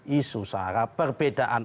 isu sara perbedaan